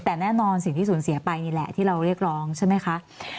แต่แน่นอนสิ่งที่สูญเสียไปนี่แหละที่เราเรียกร้องใช่ไหมคะ